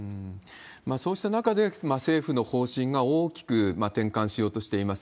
そうした中で、政府の方針が大きく転換しようとしています。